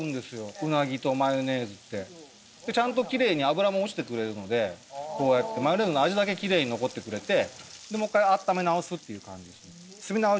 うなぎとマヨネーズってちゃんときれいに脂も落ちてくれるのでこうやってマヨネーズの味だけきれいに残ってくれてもう一回あっため直すっていう感じです